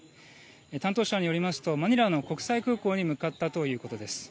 担当者によりますとマニラの国際空港に向かったということです。